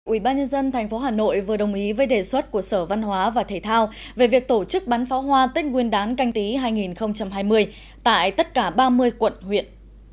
ubnd tp hà nội vừa đồng ý với đề xuất của sở văn hóa và thể thao về việc tổ chức bắn pháo hoa tết nguyên đán canh tí hai nghìn hai mươi tại tất cả ba mươi quận huyện